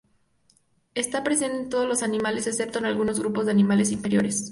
Está presente en todos los animales, excepto en algunos grupos de animales inferiores.